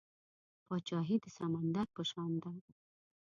پاچاهي د سمندر په شان ده .